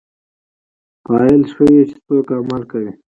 فاعل ښيي، چي څوک عمل کوي.